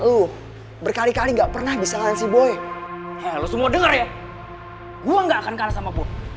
elu berkali kali nggak pernah bisa ngasih boy lo semua denger gue nggak akan kala sama